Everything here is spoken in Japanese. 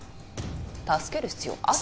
助ける必要あった？